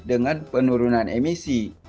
dengan penurunan emisi